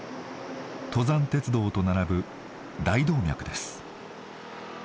登山鉄道と並ぶ大動脈です。